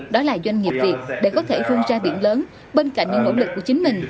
đó là doanh nghiệp việt để có thể phương ra biển lớn bên cạnh những nỗ lực của chính mình